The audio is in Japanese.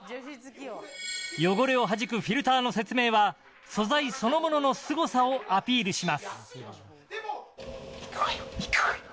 汚れをはじくフィルターの説明は素材そのもののすごさをアピールした。